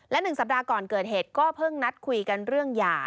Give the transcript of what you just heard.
และ๑สัปดาห์ก่อนเกิดเหตุก็เพิ่งนัดคุยกันเรื่องหย่า